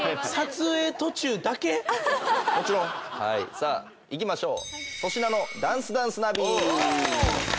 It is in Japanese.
さあいきましょう。